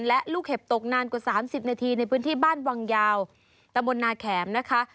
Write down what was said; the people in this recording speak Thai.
และลูกเห็บตกนานกว่า๓๐นาทีในพื้นที่บ้านวังยาวตะบนนาแขมนะคะ